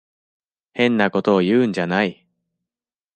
変なことを言うんじゃない。